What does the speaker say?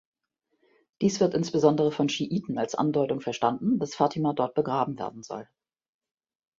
Dies wird insbesondere von Schiiten als Andeutung verstanden, dass Fatima dort begraben werden soll.